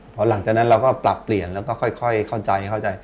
พอหลังจากนั้นเราก็ปรับเปลี่ยนแล้วก็ค่อยเข้าใจเข้าใจ